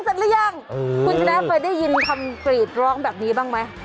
คุณชนะเฟ้ยได้ยินคำกรีดร้องแบบนี้บ้างมั้ย